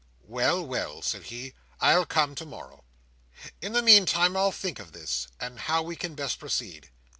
"Well, well," said he, "I'll come to morrow. In the meantime, I'll think of this, and how we can best proceed.